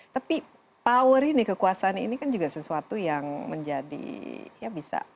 tapi power ini kekuasaan ini kan juga sesuatu yang menjadi ya bisa